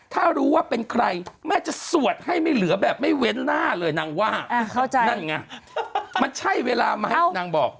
ถ้ารู้ว่าเป็นใครแม่จะสวดให้ไม่เหลือแบบไม่เว้นหน้าเลยนางว่านั่นไงมันใช่เวลามาให้นางบอก